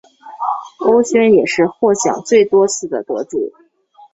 欧萱也是获奖最多次的得主。